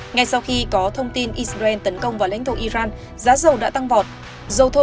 ngay sau khi có thông tin israel tấn công vào lãnh thổ iran giá dầu đã tăng vọt